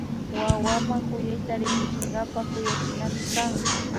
Wawaman kuyayta rikuchinkapaka kuyachinami kan